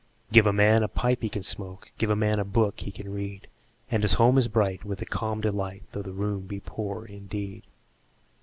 Give a man a pipe he can smoke, 5 Give a man a book he can read: And his home is bright with a calm delight, Though the room be poor indeed.